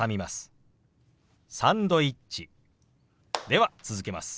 では続けます。